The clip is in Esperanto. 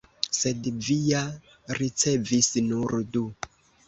Sed vi ja ricevis nur du!